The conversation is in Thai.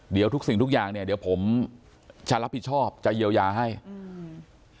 เดี๋ยวทุกสิ่งทุกอย่างเนี้ยเดี๋ยวผมจะรับผิดชอบจะเยียวยาให้อืม